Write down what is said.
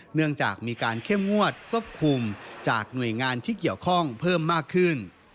เนื่องจากมีการเข้มงวดควบคุมจากหน่วยงานที่เกี่ยวข้องเพิ่มมากขึ้น